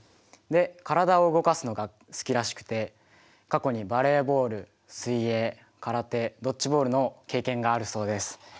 で体を動かすのが好きらしくて過去にバレーボール水泳空手ドッジボールの経験があるそうです。